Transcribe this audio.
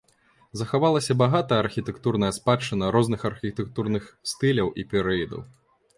Захавалася багатая архітэктурная спадчына розных архітэктурных стыляў і перыядаў.